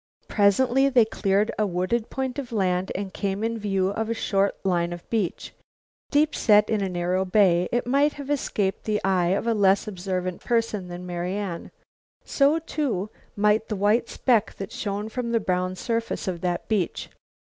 Presently they cleared a wooded point of land and came in view of a short line of beach. Deep set in a narrow bay, it might have escaped the eye of a less observant person than Marian; so, too, might the white speck that shone from the brown surface of that beach.